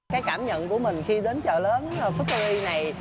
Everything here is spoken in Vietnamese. cái cảm nhận của mình khi đến chợ lớn fukri này